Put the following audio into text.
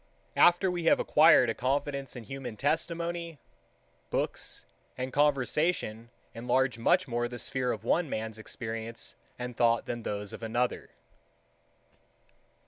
9. After we have acquired a confidence in human testimony, books and conversation enlarge much more the sphere of one man's experience and thought than those of another.